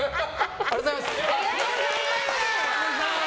ありがとうございます！